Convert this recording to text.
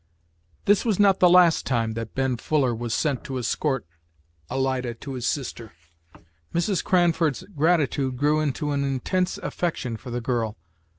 This was not the last time that Ben Fuller was sent to escort Alida to his sister. Mrs. Cranford's gratitude grew into an intense affection for the girl.